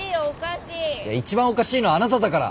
一番おかしいのはあなただから！